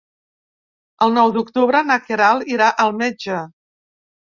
El nou d'octubre na Queralt irà al metge.